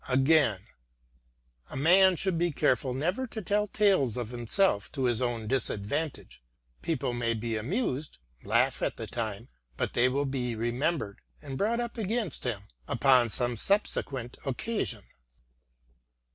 t Again :" A man should be careful never to tell tales of himself to his ovra disadvantage. People may be amused, laugh at the time, but they will be remembered and brought up against him upon some subsequejit occasion."